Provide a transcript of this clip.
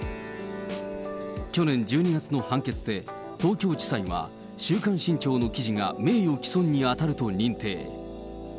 去年１２月の判決で、東京地裁は週刊新潮の記事が名誉毀損に当たると認定。